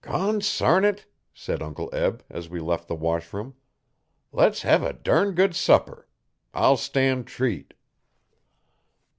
'Consarn it!' said Uncle Eb, as we left the washroom, 'le's have a durn good supper. I'll stan' treat.'